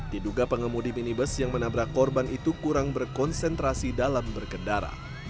diduga pengemudi minibus yang menabrak korban itu kurang berkonsentrasi dalam berkendara